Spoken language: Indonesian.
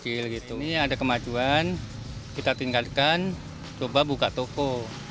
ini ada kemajuan kita tinggalkan coba buka toko